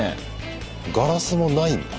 ガラスもないんだ。